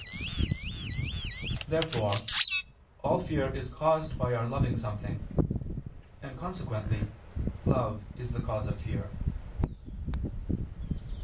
Therefore all fear is caused by our loving something: and consequently love is the cause of fear.